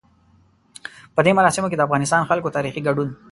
په دې مراسمو کې د افغانستان د خلکو تاريخي ګډون.